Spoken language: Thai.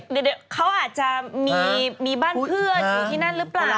เดี๋ยวเขาอาจจะมีบ้านเพื่อนอยู่ที่นั่นหรือเปล่า